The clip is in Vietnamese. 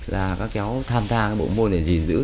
là các cháu tham gia cái bộ ngôn này gìn giữ